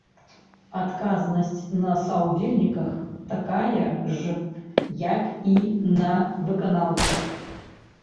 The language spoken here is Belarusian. Адказнасць на саўдзельніках такая ж як і на выканаўцах.